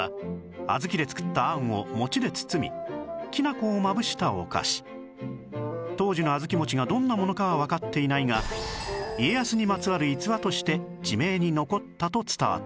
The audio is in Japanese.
こちらの小豆餅は当時の小豆餅がどんなものかはわかっていないが家康にまつわる逸話として地名に残ったと伝わっている